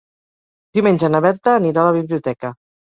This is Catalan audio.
Diumenge na Berta anirà a la biblioteca.